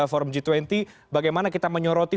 forum g dua puluh bagaimana kita menyoroti